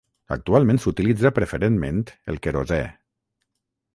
Actualment s'utilitza preferentment el querosè.